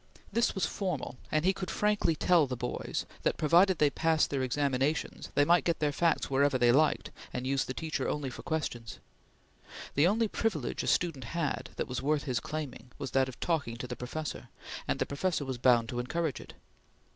This was formal; and he could frankly tell the boys that, provided they passed their examinations, they might get their facts where they liked, and use the teacher only for questions. The only privilege a student had that was worth his claiming, was that of talking to the professor, and the professor was bound to encourage it.